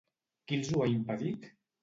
Qui els ho ha impedit?